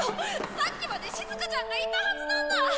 さっきまでしずかちゃんがいたはずなんだ！